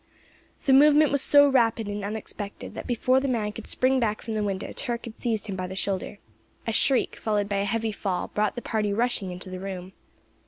The movement was so rapid and unexpected, that before the man could spring back from the window Turk had seized him by the shoulder. A shriek, followed by a heavy fall, brought the party rushing into the room.